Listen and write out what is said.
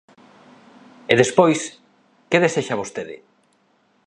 E despois, “Que desexa vostede?”